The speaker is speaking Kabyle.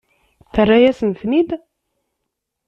Terra-yasen-ten-id?